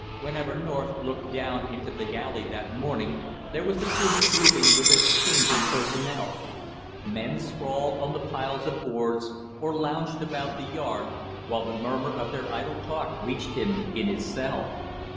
Whenever North looked down into the alley that morning, there was the human grouping with its changing personnel. Men sprawled on the piles of boards, or lounged about the yard, while the murmur of their idle talk reached him in his cell.